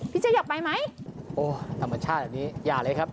เจ๊อยากไปไหมโอ้ธรรมชาติแบบนี้อย่าเลยครับ